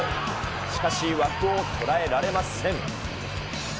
しかし、枠を捉えられません。